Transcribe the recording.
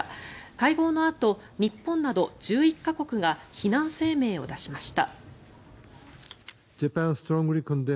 会合のあと、日本など１１か国が非難声明を出しました。